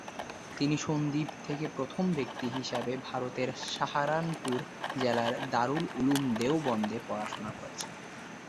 তিনি সন্দ্বীপ থেকে প্রথম ব্যক্তি হিসাবে ভারতের সাহারানপুর জেলার দারুল উলুম দেওবন্দে পড়াশুনা করেছেন।